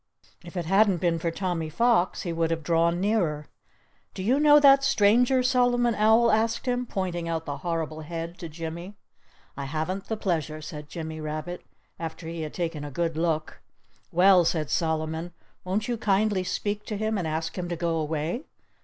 If it hadn't been for Tommy Fox he would have drawn nearer. "Do you know that stranger?" Solomon Owl asked him, pointing out the horrible head to Jimmy. "I haven't the pleasure," said Jimmy Rabbit, after he had taken a good look. "Well," said Solomon, "won't you kindly speak to him; and ask him to go away?"